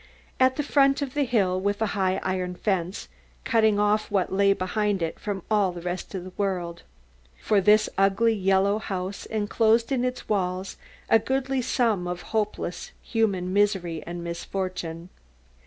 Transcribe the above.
At the foot of the hill was a high iron fence, cutting off what lay behind it from all the rest of the world. For this ugly yellow house enclosed in its walls a goodly sum of hopeless human misery and misfortune.